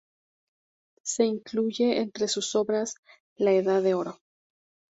Se incluye entre sus obras "La edad de oro.